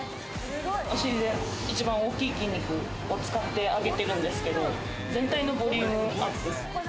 お尻で一番大きい筋肉を使ってあげてるんですけど、全体のボリュームアップ。